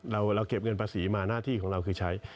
เราเก็บเงินภาษีมาหน้าที่ของเราคือใช้